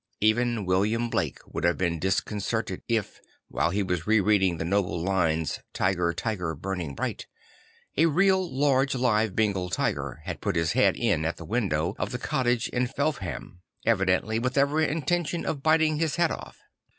Even William Blake would have been disconcerted if, while he was re reading the noble lines II Tiger, tiger, burning bright," a real large live Bengal tiger had put his head in at the window of the cottage in Felpham, evidently with every intention of biting his head off.